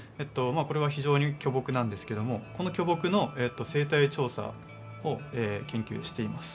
まあこれは非常に巨木なんですけどもこの巨木の生態調査を研究しています。